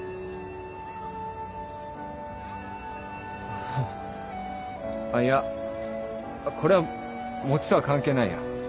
あっいやこれは餅とは関係ないや。